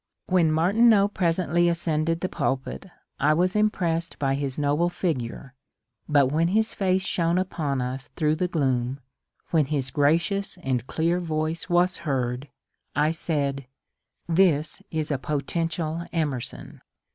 When Martineau presently ascended the pulpit I was impressed by his noble figure, but when his face shone upon us through the gloom, when his gracious and clear voice was heard, I said, this is a potential Emerson